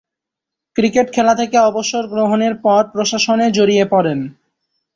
Cricket খেলা থেকে অবসর গ্রহণের পর প্রশাসনে জড়িয়ে পড়েন।